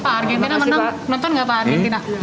pak argintina menunggu nonton enggak pak argintina